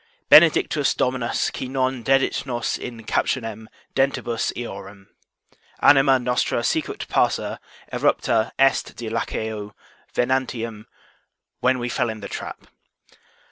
Benedictus Dominus qui non dedit nos in captionem dentibus eorum. Anima nostra sicut passer erepta est de laqueo venantium; when we fell in the trap.